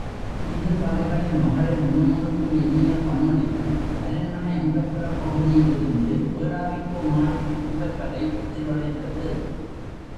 கீதசாலைகளில் மகளிர் முணுமுணுக்கும் இனிய பண்ணொலிகள் அரண்மனை அந்தப்புரப் பகுதியிலிருந்து வேளாவிக்கோ மாளிகைச் சுவர் வரை எதிரொலித்தது.